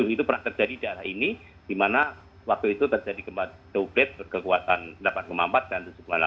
itu pernah terjadi di daerah ini di mana waktu itu terjadi gempa doblet berkekuatan delapan empat dan tujuh delapan